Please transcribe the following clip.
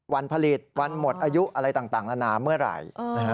วันผลิตวันหมดอายุอะไรต่างนานาเมื่อไหร่